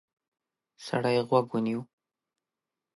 سړی غوږ ونیو.